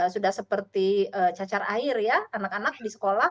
sudah seperti cacar air ya anak anak di sekolah